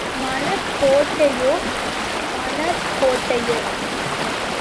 மனக் கோட்டையோ மணற்கோட்டையோ!